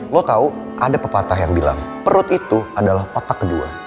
lo tahu ada pepatah yang bilang perut itu adalah otak kedua